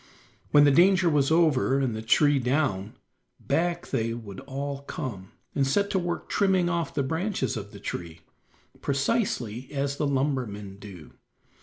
When the danger was over and the tree down, back they would all come, and set to work trimming off the branches of the tree, precisely as the lumbermen do.